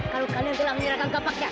kalau kalian telah menyerahkan kapaknya